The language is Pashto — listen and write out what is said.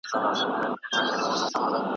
دا موضوع تر هغه بلي ښه ده.